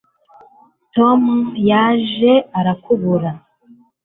tom yaje arakubura